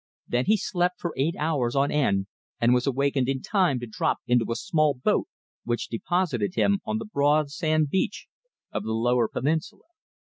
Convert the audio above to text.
Then he slept for eight hours on end and was awakened in time to drop into a small boat which deposited him on the broad sand beach of the lower peninsula.